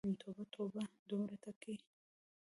توبه، توبه، دومره ټګې!